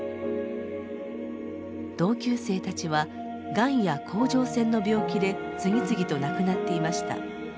同級生たちはガンや甲状腺の病気で次々と亡くなっていました。